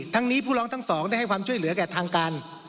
ทั้งนี้ผู้ร้องทั้งสองได้ให้ความช่วยเหลือแก่ทางการ